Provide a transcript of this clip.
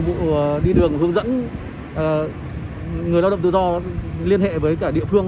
có thể là đồ ăn nước uống để phục vụ đi đường hướng dẫn người lao động tự do liên hệ với cả địa phương